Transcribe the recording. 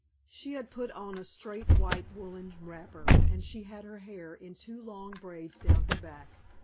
She had put on a straight white woolen wrapper, and she had her hair in two long braids down her back.